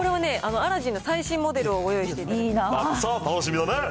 これはね、アラジンの最新モデルをご用意してます。